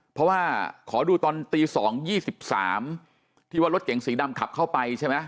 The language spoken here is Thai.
เพราะว่าขอดูตอนตี๒๒๓ที่ว่ารถเก๋งสีดำขับเข้าไปใช่ไหม